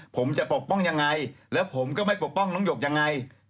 ผมจะปกป้องยังไงแล้วผมก็ไม่ปกป้องน้องหยกยังไง